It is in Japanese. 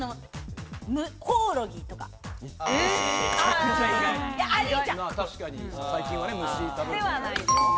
コオロギとかではないですね。